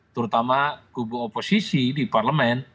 terutama kubu oposisi di parlemen